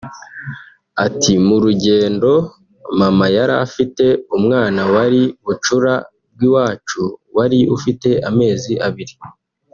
Ati “ mu rugendo mama yari afite umwana wari bucura bw’iwacu wari ufite amezi abiri